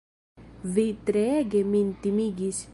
Vi treege min timigis!